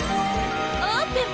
オープン！